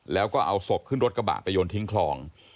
แล้วก็เอาศพขึ้นรถกระบะไปโยนทิ้งคลอง